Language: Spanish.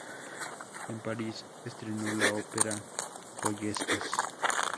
En París estrenó la ópera "Goyescas".